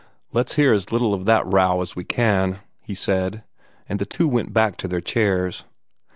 "Let's hear as little of the row as we can," he said, and the two went back to their chairs.